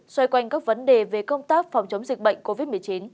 xoay quanh các vấn đề về công tác phòng chống dịch bệnh covid một mươi chín